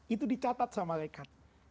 itu dicatat sama malaikat